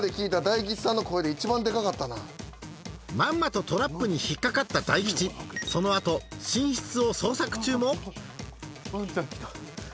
まんまとトラップに引っ掛かった大吉そのあと寝室を捜索中もワンちゃん来た。